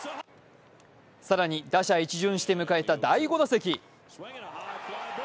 更に打者一巡して迎えた第５打席。